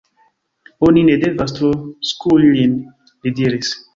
Oni ne devas tro skui lin, li diris.